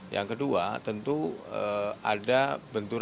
yang kedua tentu ada benturan